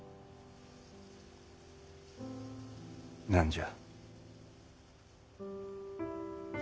何じゃ？